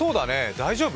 大丈夫？